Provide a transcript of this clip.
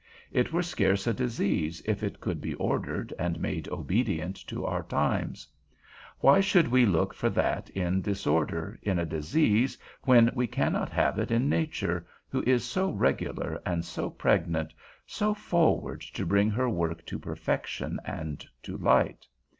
It were scarce a disease if it could be ordered and made obedient to our times. Why should we look for that in disorder, in a disease, when we cannot have it in nature, who is so regular and so pregnant, so forward to bring her work to perfection and to light?